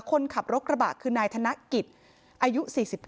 คนขับรถกระบะคือนายธนกิจอายุ๔๙